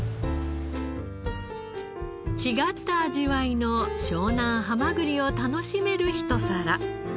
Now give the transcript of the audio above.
違った味わいの湘南はまぐりを楽しめる一皿。